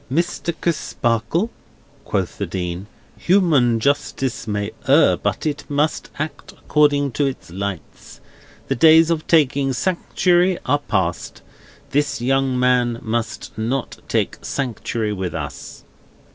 "Mr. Crisparkle," quoth the Dean, "human justice may err, but it must act according to its lights. The days of taking sanctuary are past. This young man must not take sanctuary with us."